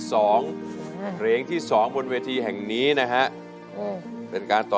เพลงที่สองบนเวทีแห่งนี้นะฮะเป็นการต่อ